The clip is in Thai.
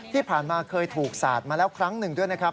ที่ผ่านมาเคยถูกสาดมาแล้วครั้งหนึ่งด้วยนะครับ